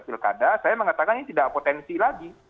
pilkada saya mengatakan ini tidak potensi lagi